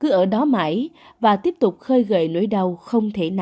cứ ở đó mãi và tiếp tục khơi gậy nỗi đau không thể nào xóa nhòa